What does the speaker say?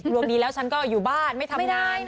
ดวงดีแล้วฉันก็อยู่บ้านไม่ทำงาน